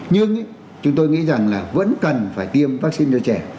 nhưng chúng tôi nghĩ rằng là vẫn cần phải tiêm vắc xin cho trẻ